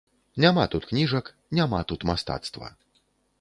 Няма тут кніжак, няма тут мастацтва.